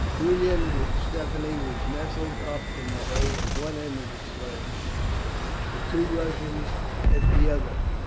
Julian with Stephanie were nestled up in the hay at one end of the sledge, the two Russians at the other.